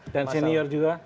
dan senior juga